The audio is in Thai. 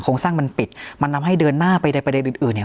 โครงสร้างมันปิดมันนำให้เดินหน้าไปได้ไปได้อื่นอื่นเนี้ย